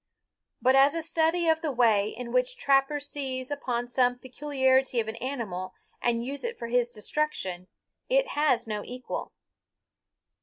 But as a study of the way in which trappers seize upon some peculiarity of an animal and use it for his destruction, it has no equal.